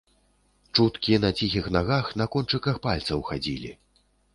Чуткі на ціхіх нагах, на кончыках пальцаў хадзілі.